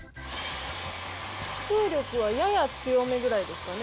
風力はやや強めぐらいですかね。